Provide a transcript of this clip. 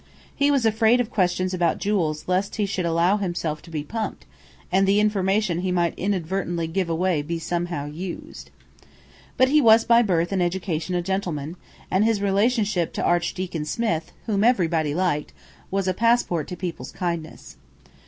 He was afraid of questions about jewels lest he should allow himself to be pumped, and the information he might inadvertently give away be somehow "used." But he was by birth and education a gentleman; and his relationship to Archdeacon Smith, whom everybody liked, was a passport to people's kindness.